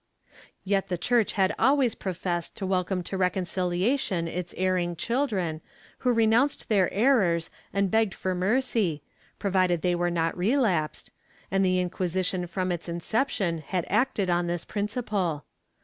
^ Yet the Church had always professed to welcome to reconcilia tion its erring children, who renounced their errors and begged for mercy, provided they were not relapsed, and the Inquisition from its inception had acted on this principle.